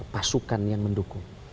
pasukan yang mendukung